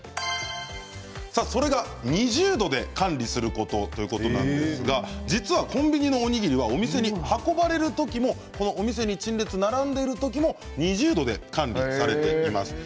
それが２０度で管理することということなんですが実はコンビニのおにぎりはお店に運ばれる時もこのお店に並んでいる時も２０度で管理されています。